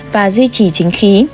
và duy trì chính khí